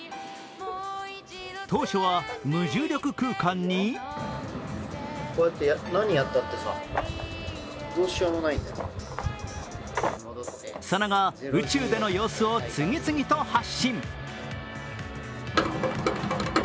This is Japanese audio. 当初は、無重力空間にその後、宇宙での様子を次々と発信。